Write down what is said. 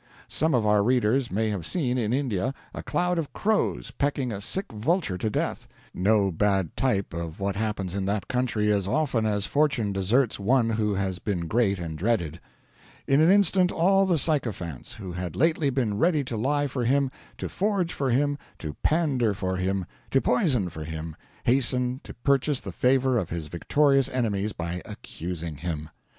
Some of our readers may have seen, in India, a cloud of crows pecking a sick vulture to death no bad type of what happens in that country as often as fortune deserts one who has been great and dreaded. In an instant all the sycophants, who had lately been ready to lie for him, to forge for him, to pander for him, to poison for him, hasten to purchase the favor of his victorious enemies by accusing him.